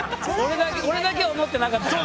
俺だけは思ってなかったからな。